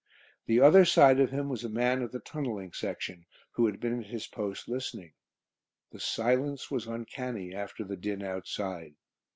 The other side of him was a man of the tunnelling section, who had been at his post listening. The silence was uncanny after the din outside.